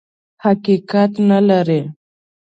حقیقت نه لري.